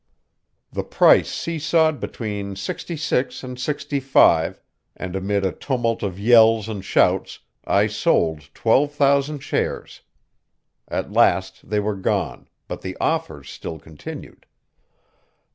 The price see sawed between sixty six and sixty five, and amid a tumult of yells and shouts I sold twelve thousand shares. At last they were gone, but the offers still continued.